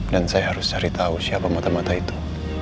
dan saya harus cari tahu siapa mata mata itu